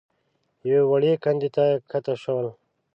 يوې وړې کندې ته کښته شول.